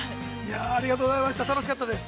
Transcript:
ありがとうございました、楽しかったです。